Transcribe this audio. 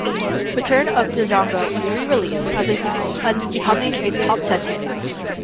Return of Django was re-released as a single and becoming a 'top ten' hit.